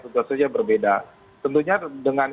tentu saja berbeda tentunya dengan